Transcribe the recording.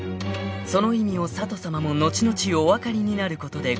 その意味を佐都さまも後々お分かりになることでございましょう］